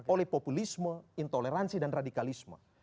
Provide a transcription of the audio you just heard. oleh populisme intoleransi dan radikalisme